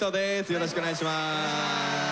よろしくお願いします。